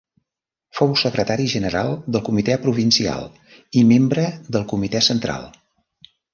Fou secretari general del comitè provincial i membre del comitè central.